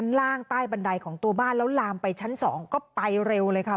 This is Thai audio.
กระดายของตัวบ้านแล้วลามไปชั้น๒ก็ไปเร็วเลยค่ะ